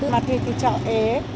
mà thì chợ ế